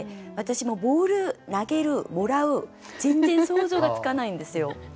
私もうボール投げるもらう全然想像がつかないんですよ。